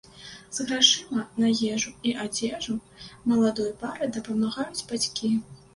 З грашыма на ежу і адзежу маладой пары дапамагаюць бацькі.